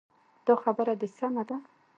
دا خبره دې سمه ده.